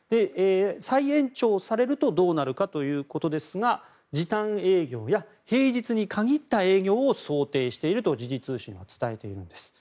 再延長されるとどうなるかということですが時短営業や平日に限った営業を想定していると時事通信は伝えているんです。